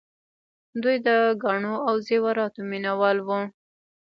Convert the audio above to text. دوی د ګاڼو او زیوراتو مینه وال وو